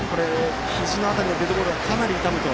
ひじの辺りのデッドボールはかなり痛むと。